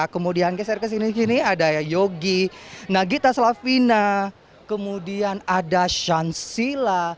kemudian geser ke sini sini ada yogi nagita slavina kemudian ada shansila